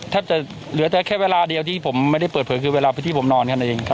แทบจะเหลือแค่เวลาเดียวที่ผมไม่ได้เปิดเผยคือเวลาที่ผมนอนข้างในเองครับ